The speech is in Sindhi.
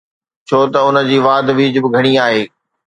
ڇو ته ان جي واڌ ويجهه به گهڻي آهي.